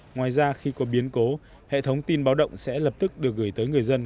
ngoài ra khi có biến cố hệ thống tin báo động sẽ lập tức được gửi tới người dân